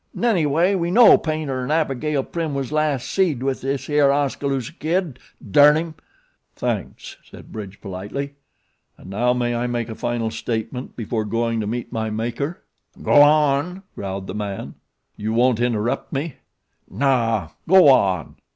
'Nenny way we know Paynter and Abigail Prim was last seed with this here Oskaloosa Kid, durn him." "Thanks," said Bridge politely, "and now may I make my final statement before going to meet my maker?" "Go on," growled the man. "You won't interrupt me?" "Naw, go on."